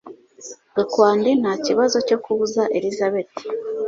Gakwandi ntakibazo cyo kubuza Elisabeth